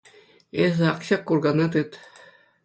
Эсӗ ак ҫак куркана тыт.